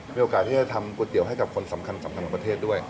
มีโอกาสที่จะทำก๋วยเตี๋ยวให้กับคนสำคัญของประเทศด้วย